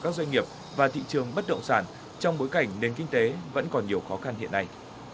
các doanh nghiệp và thị trường bất động sản trong bối cảnh nền kinh tế vẫn còn nhiều khó khăn hiện nay